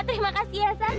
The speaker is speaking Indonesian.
terima kasih ya sat